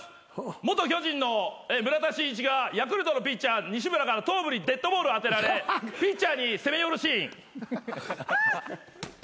元巨人の村田真一がヤクルトのピッチャー西村から頭部にデッドボールを当てられピッチャーにせめ寄るシーン。